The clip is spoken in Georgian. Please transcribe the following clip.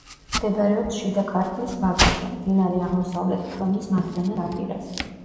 მდებარეობს შიდა ქართლის ვაკეზე, მდინარე აღმოსავლეთ ფრონის მარჯვენა ნაპირას.